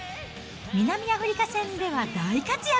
南アフリカ戦では大活躍。